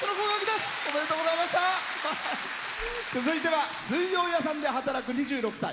続いては水道屋さんで働く２６歳。